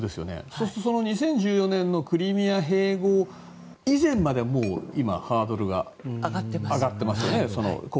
そして２０１４年のクリミア併合以前まで今、ハードルが上がっていますよね。